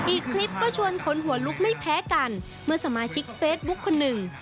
อีกคลิปก็ชวนขนหัวลุกไม่แพ้กันเมื่อสมาชิกเฟซบุ๊คคนหนึ่ง